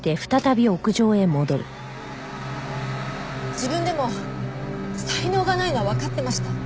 自分でも才能がないのはわかってました。